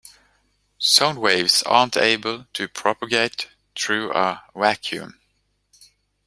Sound waves aren't able to propagate through a vacuum.